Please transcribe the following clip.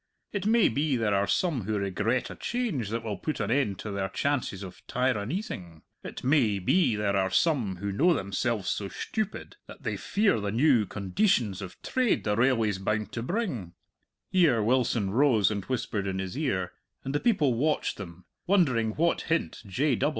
It may be there are some who regret a change that will put an end to their chances of tyraneezin'. It may be there are some who know themselves so shtupid that they fear the new condeetions of trade the railway's bound to bring." Here Wilson rose and whispered in his ear, and the people watched them, wondering what hint J.